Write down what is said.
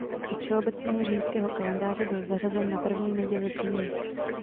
Do všeobecného římského kalendáře byl zařazen na první neděli v říjnu.